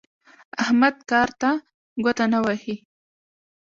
احمد کار ته ګوته نه وهي.